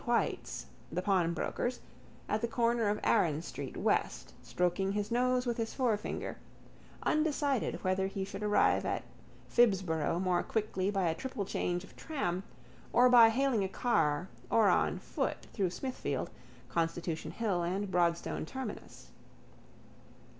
White's, the pawnbroker's, at the corner of Arran street west stroking his nose with his forefinger, undecided whether he should arrive at Phibsborough more quickly by a triple change of tram or by hailing a car or on foot through Smithfield, Constitution hill and Broadstone terminus.